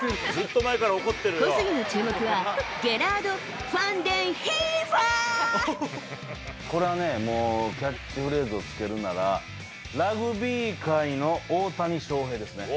小杉の注目は、これはね、もうキャッチフレーズをつけるなら、ラグビー界の大谷翔平ですね。